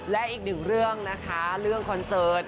และอีกหนึ่งเรื่องนะคะเรื่องคอนเสิร์ต